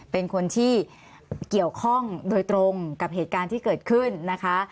เป็นคนที่เกี่ยวข้องโดยตรงกับเหตุการณ์ที่เกิดขึ้นนะคะ